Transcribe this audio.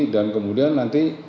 dan kemudian nanti